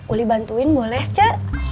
uli bantuin boleh cek